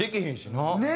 ねえ。